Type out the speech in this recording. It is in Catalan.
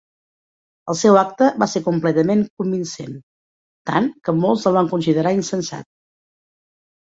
El seu acte va ser completament convincent, tant que molts el van considerar insensat.